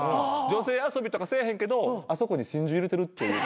女性遊びとかせえへんけどアソコに真珠入れてるっていう。